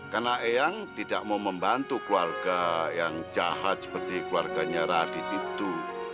karena eyang tidak mau membantu keluarga yang jahat seperti keluarganya radit itu